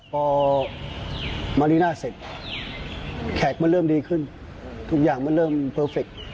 พอมารีน่าเสร็จแขกมันเริ่มดีขึ้นทุกอย่างมันเริ่มเพอร์เฟค